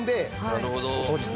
なるほど。